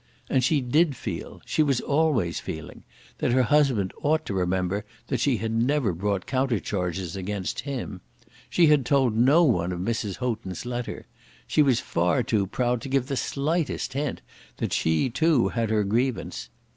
And she did feel, she was always feeling, that her husband ought to remember that she had never brought counter charges against him. She had told no one of Mrs. Houghton's letter. She was far too proud to give the slightest hint that she too had her grievance.